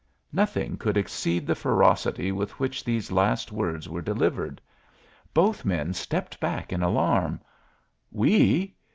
Nothing could exceed the ferocity with which these last words were delivered. Both men stepped back in alarm. "We?